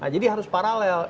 jadi harus paralel